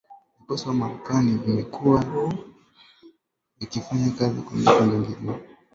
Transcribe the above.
Vikosi vya Marekani vimekuwa vikifanya kazi kwa miaka mingi na